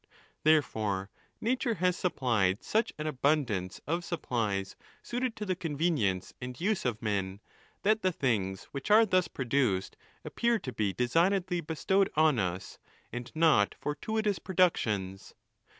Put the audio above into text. |_ Therefore, nature has supplied such an abundance of sup plies suited to the convenience and use of men, that the things which are thus produced appear to be designedly bestowed on us, and not fortuitous productions.